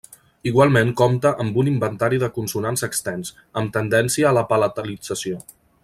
Igualment compta amb un inventari de consonants extens, amb tendència a la palatalització.